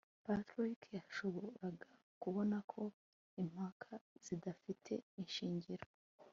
patrick yashoboraga kubona ko impaka zidafite ishingiro